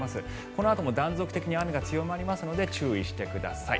このあとも断続的に雨が強まりますので注意してください。